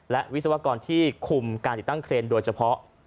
และวิศวกรที่คุมการติดตั้งเครนโดยเฉพาะ